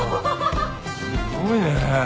すごいね。